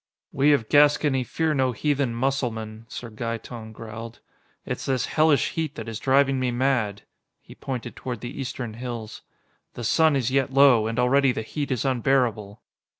"We of Gascony fear no heathen Musselman," Sir Gaeton growled. "It's this Hellish heat that is driving me mad." He pointed toward the eastern hills. "The sun is yet low, and already the heat is unbearable."